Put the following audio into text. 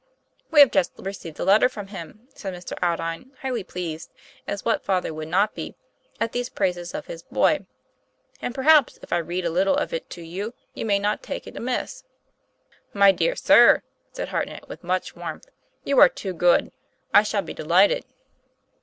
'We have just received a letter from him," said Mr. Aldine, highly pleased as what father would not be? at these praises of his boy, "and, perhaps, if I read a little of it to you, you may not take it amiss.' 'My dear sir," said Hartnett with much warmth, 'you are too good; I shall be delighted.